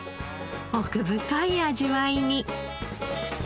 奥深い味わいに。